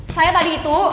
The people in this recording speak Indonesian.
saya tadi itu